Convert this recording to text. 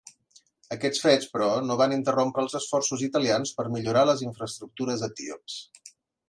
Aquests fets, però, no van interrompre els esforços italians per millorar les infraestructures etíops.